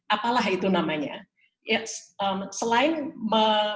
apakah kita bisa melihat